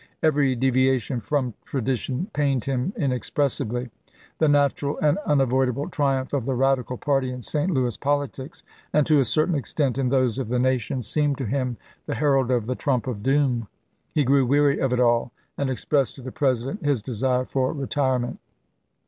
Every devia tion from tradition pained him inexpressibly. The natural and unavoidable triumph of the radical party in St. Louis politics, and to a certain extent in those of the nation, seemed to him the herald of the trump of doom. He grew weary of it all, and expressed to the President his desire for retirement.